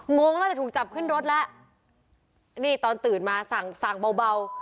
งงก็ต้องจะถูกจับขึ้นรถละนี่ตอนตื่นมาสั่งเบา